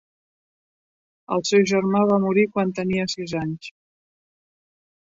El seu germà va morir quan tenia sis anys.